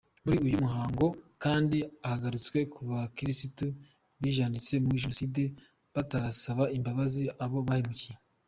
Muri uyu muhango kandi hagarutswe ku bakirisitu bijanditse muri jenoside batarasaba imbabazi abo bahemukiye.